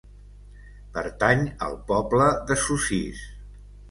Pertany al poble de Sossís.